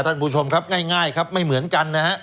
ท่านผู้ชมครับง่ายครับไม่เหมือนกันนะฮะ